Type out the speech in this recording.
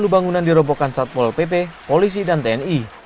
sembilan puluh bangunan dirobokan satbol pp polisi dan tni